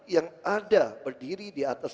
yang ada berdiri di atas